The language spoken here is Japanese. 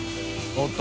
おっと？